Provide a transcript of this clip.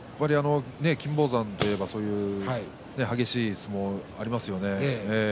金峰山といえばそういう激しい相撲がありますね。